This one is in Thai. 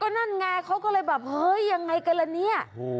นั่นไงเขาก็เลยแบบเฮ้ยยังไงกันละเนี่ย